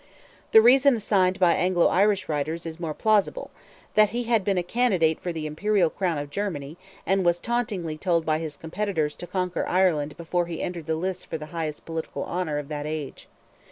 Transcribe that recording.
The reason assigned by Anglo Irish writers is more plausible: he had been a candidate for the Imperial Crown of Germany, and was tauntingly told by his competitors to conquer Ireland before he entered the lists for the highest political honour of that age.